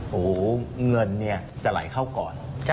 โอ้โหเงินเนี่ยจะไหลเข้าก่อน